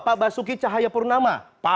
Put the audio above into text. pak basuki cahayapurnama